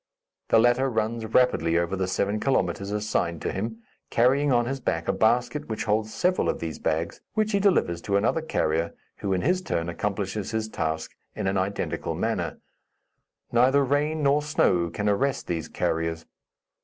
The latter runs rapidly over the seven kilometres assigned to him, carrying on his back a basket which holds several of these bags, which he delivers to another carrier, who, in his turn, accomplishes his task in an identical manner. Neither rain nor snow can arrest these carriers.